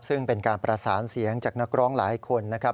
ซึ่งเป็นการประสานเสียงจากนักร้องหลายคนนะครับ